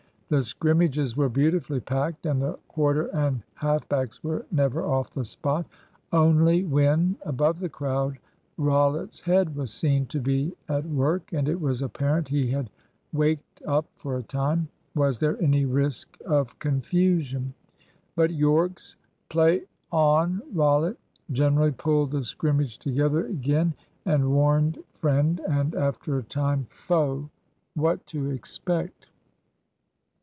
The scrimmages were beautifully packed, and the quarter and half backs were never off the spot. Only when, above the crowd, Rollitt's head was seen to be at work, and it was apparent he had waked up for a time, was there any risk of confusion. But Yorke's "Play on Rollitt!" generally pulled the scrimmage together again, and warned friend and (after a time) foe what to expect.